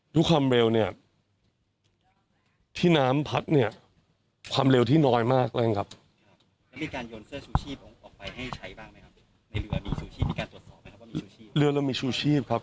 และเรือขับอยู่ครับ